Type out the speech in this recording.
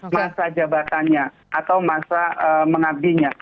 masa jabatannya atau masa mengabdinya